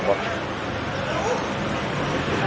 สวัสดีทุกคน